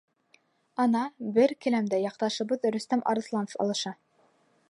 Ана, бер келәмдә яҡташыбыҙ Рөстәм Арыҫланов алыша.